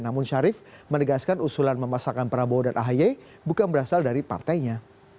namun syarif menegaskan usulan memasakkan prabowo dan ahy bukan berasal dari partainya